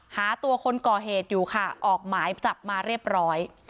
หาตัวคนก่อเหตุอยู่ค่ะออกหมายจับมาเรียบร้อย